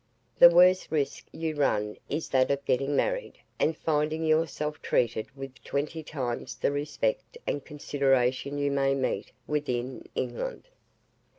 The worst risk you run is that of getting married, and finding yourself treated with twenty times the respect and consideration you may meet with in England.